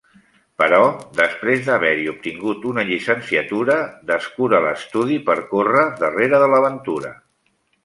Però després d'haver-hi obtingut una llicenciatura, descura l'estudi per córrer darrere de l'aventura.